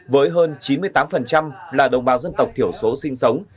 với hơn chín mươi tám là đồng bào dân tộc thiểu số sinh sống